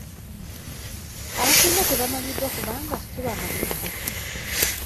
Abasinga tebamanyiddwa kubanga sibamanyifu.